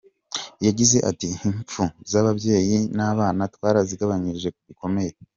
Yagize ati “Impfu z’ababyeyi n’abana twarazigabanije bikomeye.